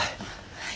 はい。